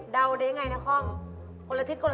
ว่าให้เจ๊ไปกินข้าวกับนาคม